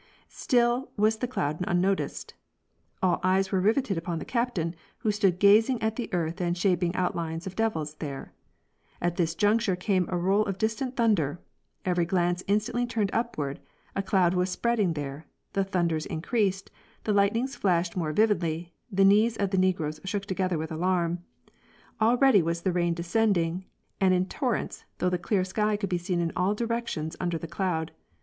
Still was the cloud unnoticed. All eyes were riveted upon the Captain, who stood gazing at the earth and shaping outlines of devils there. At this juncture came a roll of distant thunder. Every glance instantly turned upward; a cloud was spreading there; the thunders increased ; the lightnings flashed more vividly; the knees of the negroes shook together with alarm. Already was the rain descend ing, and in torrents, though the clear sky could be seen in all directions under the cloud.